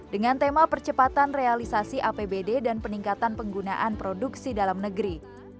dengan tema percepatan realisasi apbd dan peningkatan penggunaan produksi dalam negeri